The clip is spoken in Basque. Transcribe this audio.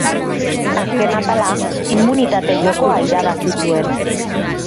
Azken atala immunitate jokoa irabazi zuen.